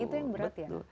itu yang berat ya